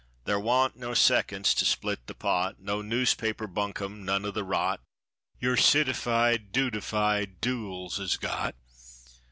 Thar wa'n't no seconds to split the pot, No noospaper buncombe, none o' the rot Your citified, dudefied duels 'as got.